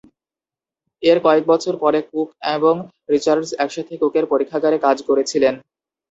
এর কয়েক বছর পরে কুক এবং রিচার্ডস একসাথে কুকের পরীক্ষাগারে কাজ করেছিলেন।